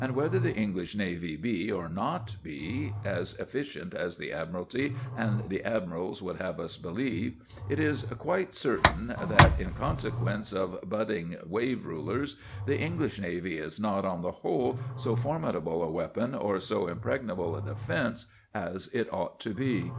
And whether the English navy be or be not as efficient as the Admiralty and the admirals would have us believe, it is quite certain that, in consequence of budding wave rulers, the English navy is not, on the whole, so formidable a weapon or so impregnable a defence as it ought to be.